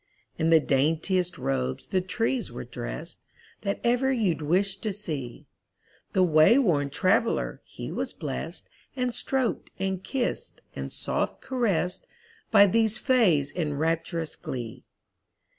In the daintiest robes the trees were dressed, That ever you'd wish to see; The wayworn traveler, he was blessed, And stroked, and kissed, and soft caressed, By these fays in rapturous glee.